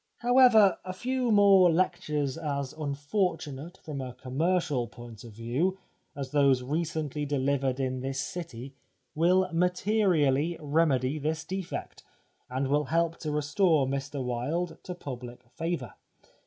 However, a few more lectures as unfortunate, from a commercial point of view, as those re cently delivered in this city will materially remedy this defect, and will help to restore Mr Wilde to public favour.